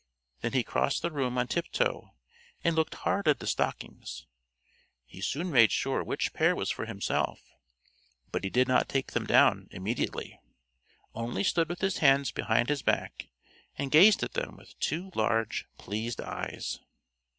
Then he crossed the room on tiptoe and looked hard at the stockings. He soon made sure which pair was for himself, but he did not take them down immediately, only stood with his hands behind his back and gazed at them with two large, pleased eyes.